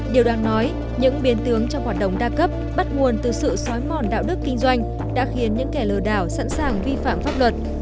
điều đáng nói những biến tướng trong hoạt động đa cấp bắt nguồn từ sự xói mòn đạo đức kinh doanh đã khiến những kẻ lừa đảo sẵn sàng vi phạm pháp luật